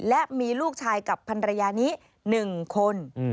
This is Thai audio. และมีลูกชายกับพันรยานี้๑คน